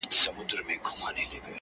د ښکلي شمعي له انګار سره مي نه لګیږي-